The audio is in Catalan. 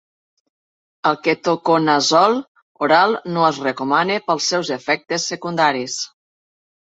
El ketoconazol oral no es recomana pels seus efectes secundaris.